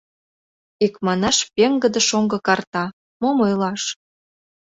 Икманаш, пеҥгыде шоҥго карта, мом ойлаш.